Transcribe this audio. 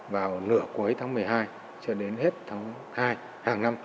vào nửa cuối tháng một mươi hai cho đến hết tháng hai hàng năm